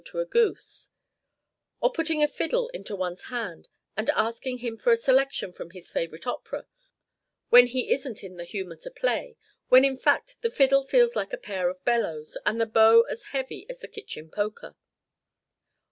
to a goose; or putting a fiddle into one's hand, and asking him for a selection from his favourite opera, when he isn't in the humour to play; when, in fact, the fiddle feels like a pair of bellows, and the bow as heavy as the kitchen poker.